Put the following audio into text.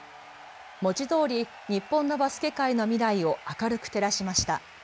文字どおり日本のバスケ界の未来を明るく照らしました。